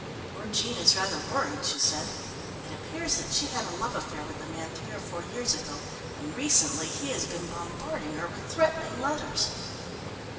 "Poor Jean is rather worried," she said. "It appears that she had a love affair with a man three or four years ago, and recently he has been bombarding her with threatening letters."